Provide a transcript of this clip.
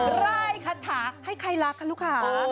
ร่ายคาถาให้ใครรักคะลูกค้า